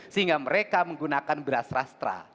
sehingga mereka menggunakan beras rastra